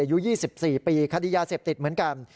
อายุ๒๔ปีคดียาเสพติดเหมือนกัน